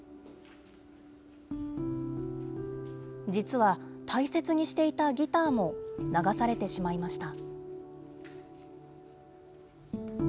実は、大切にしていたギターも流されてしまいました。